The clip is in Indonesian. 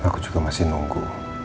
aku juga masih nunggu